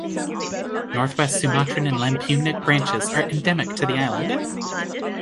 Northwest Sumatran and Lampungic branches are endemic to the island.